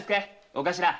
お頭。